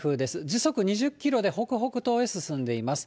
時速２０キロで北北東へ進んでいます。